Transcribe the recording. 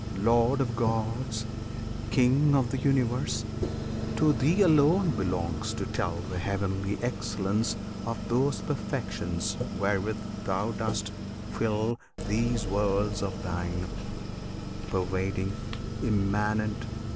Lord of Gods! King of the Universe! To Thee alone Belongs to tell the heavenly excellence Of those perfections wherewith Thou dost fill These worlds of Thine; Pervading, Immanent!